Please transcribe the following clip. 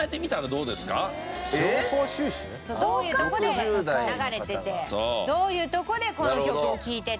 どういうとこで流れててどういうとこでこの曲を聴いてて。